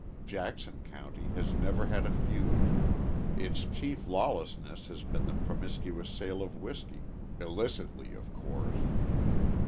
Jackson County has never had a feud; its chief lawlessness has been the promiscuous sale of whiskey, illicitly, of course.